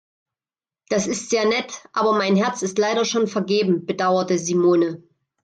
Das ist sehr nett, aber mein Herz ist leider schon vergeben, bedauerte Simone.